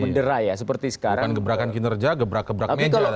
yang kenderai ya seperti sekarang bukan gebrakan kinerja gebrak gebrak meja tapi ya